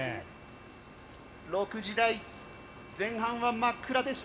６時台前半は真っ暗でした。